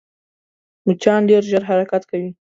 مچان ډېر ژر حرکت کوي